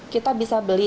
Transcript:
kita bisa beli